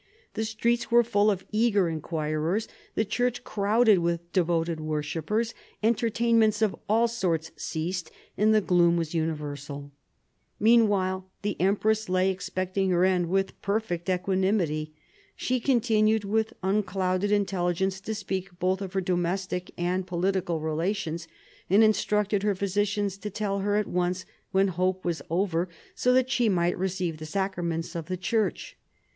The streets were full of eager inquirers, the churches crowded with devoted worshippers ; entertainments of all sorts ceased, and the gloom was universal. Meanwhile the empress lay expecting her end with perfect equanimity. She continued with unclouded intelligence to speak both of her domestic and political relations, and instructed her physicians to tell her at once when hope was over, so that she might receive the sacraments of the Church.